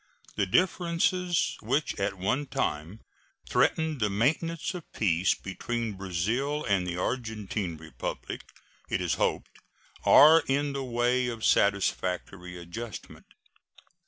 The differences which at one time threatened the maintenance of peace between Brazil and the Argentine Republic it is hoped are in the way of satisfactory adjustment.